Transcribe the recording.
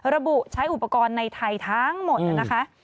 ระบุใช้อุปกรณ์ในไทยทั้งหมดนะคะ